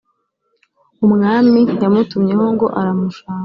umwami yamutumyeho ngo aramushaka